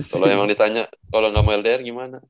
kalau emang ditanya kalau nggak mau ldr gimana